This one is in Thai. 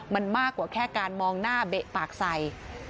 มันมากกว่าแค่การมองหน้าเบะปากใส่